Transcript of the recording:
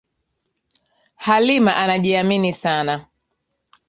Halima anajiamini sana